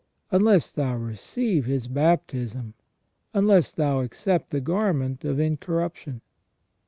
Unless thou receive His baptism ? Unless thou accept the garment of incorruption